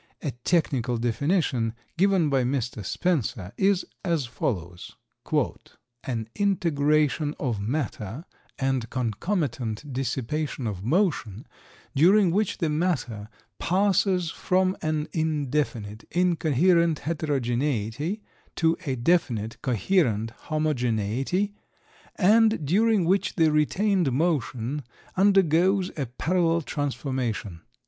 A technical definition, given by Mr. Spencer, is as follows: "An integration of matter and concomitant dissipation of motion, during which the matter passes from an indefinite, incoherent heterogeneity, to a definite, coherent homogeneity, and during which the retained motion undergoes a parallel transformation."